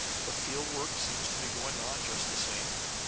The field work seems to be going on just the same.